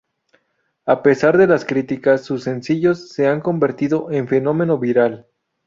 A pesar de las críticas, sus sencillos se han convertido en fenómeno viral.